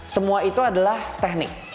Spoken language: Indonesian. semua itu adalah teknik